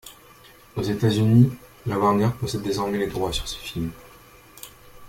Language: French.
Aux États-Unis, la Warner possède désormais les droits sur ce film.